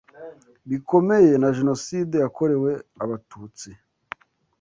bikomeye na Jenoside yakorewe Abatutsi